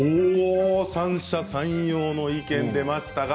三者三様の意見が出ました。